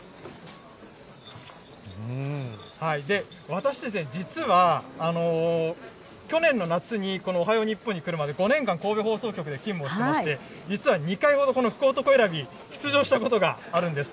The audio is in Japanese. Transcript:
私、実は去年の夏に、このおはよう日本に来るまで、５年間、神戸放送局で勤務をしてまして、実は２回ほど、この福男選び、出場したことがあるんです。